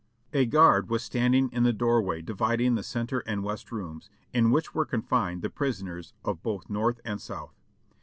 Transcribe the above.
A guard was standing in the doorway dividing the center and west rooms, in which were confined the prisoners of both North and South.